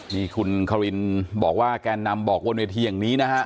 นี่คุณคารินบอกว่าแกนนำบอกบนเวทีอย่างนี้นะฮะ